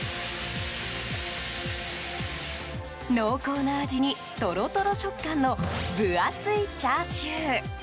濃厚な味にトロトロ食感の分厚いチャーシュー。